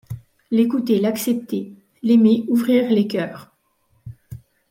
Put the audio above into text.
L'écouter, l'accepter ;. l'aimer, ouvrir Ies cceurs ;